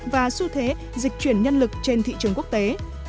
và xu thế dịch chuyển nhân lực trên thị trường quốc tế